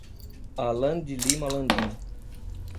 Alan de Lima Landim